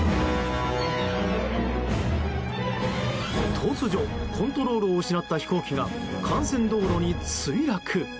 突如、コントロールを失った飛行機が幹線道路に墜落。